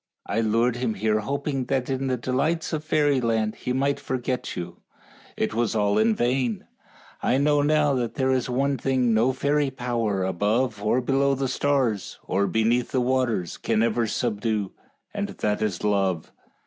I lured him here hoping that in the delights of fairyland he might forget you. It was all in vain. I know now that there is one thing no fairy power above or below the stars, or beneath the waters, can ever subdue, and that is love.